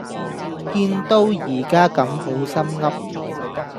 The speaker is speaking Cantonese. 見都而家咁好心悒